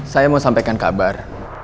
saya mau sampaikan kabar